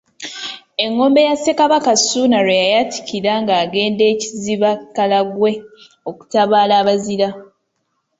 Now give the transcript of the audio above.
Engombe ya Ssekabaka Ssuuna I we yayatikira ng’agenda e Kiziba-Karagwe okutabaala abazira.